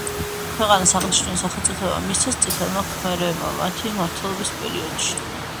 ქვეყანას აღნიშნული სახელწოდება მისცეს წითელმა ქმერებმა მათი მმართველობის პერიოდში.